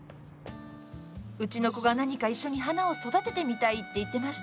うちの子が何か一緒に花を育ててみたいって言ってまして。